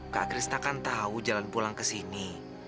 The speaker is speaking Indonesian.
kak krisna kan tahu jalan pulang ke sini